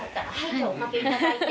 お掛けいただいて。